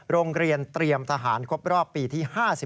โรงเรียนเตรียมทหารครบรอบปีที่๕๔